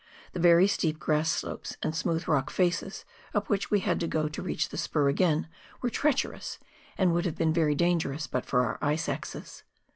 The very steep grass slopes, and smooth rock faces, up which we had to go to reach the spur again, were treacherous, and would have been very dangerous but for our ice axes.